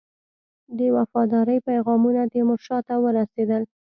د وفاداری پیغامونه تیمورشاه ته ورسېدل.